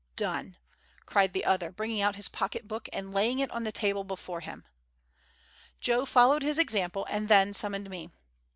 "Done!" cried the other, bringing out his pocket book and laying it on the table before him. Joe followed his example and then summoned me.